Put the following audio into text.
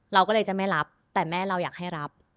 เราก็เลยจะไม่รับแต่แม่เราอยากให้รับ